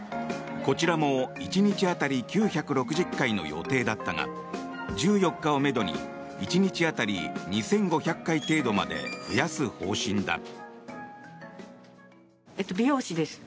こちらも１日当たり９６０回の予定だったが１４日をめどに１日当たり２５００回程度まで増やす方針だ。